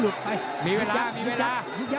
หลุดไปมีเวลามีเวลา